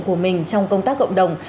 của mình trong công tác cộng đồng